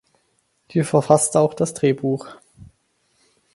Sie verfasste auch das Drehbuch.